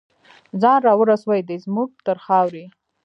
ځان راورسوي دی زمونږ تر خاورې